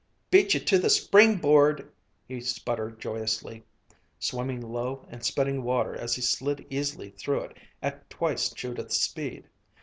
"Beat you to the springboard!" he sputtered joyously, swimming low and spitting water as he slid easily through it at twice Judith's speed.